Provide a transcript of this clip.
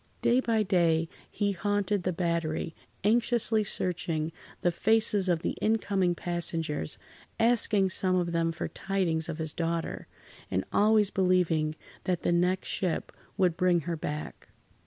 Day by day, he haunted the Battery, anxiously searching the faces of the incoming passengers, asking some of them for tidings of his daughter, and always believing that the next ship would bring her back.